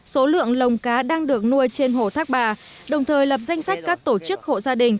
số lượng lồng cá đang được nuôi trên hồ thác bà đồng thời lập danh sách các tổ chức hộ gia đình